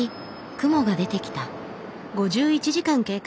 雲が出てきた。